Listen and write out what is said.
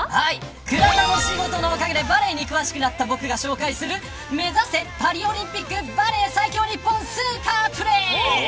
倉田の仕事のおかげでバレーに詳しくなった僕が紹介する目指せパリオリンピックバレー最強日本スーパープレー。